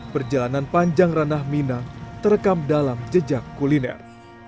perjalanan panjang ranah minang terekam dalam jejak kuliner